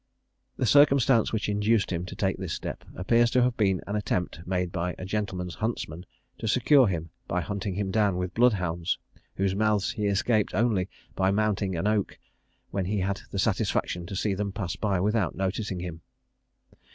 The circumstance which induced him to take this step, appears to have been an attempt made by a gentleman's huntsman, to secure him by hunting him down with blood hounds, whose mouths he escaped only by mounting an oak, when he had the satisfaction to see them pass by without noticing him.